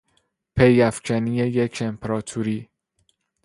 پیافکنی یک امپراطوری